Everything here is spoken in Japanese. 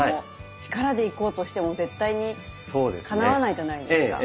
力でいこうとしても絶対にかなわないじゃないですか。